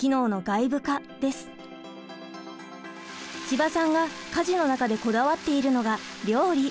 千葉さんが家事の中でこだわっているのが料理。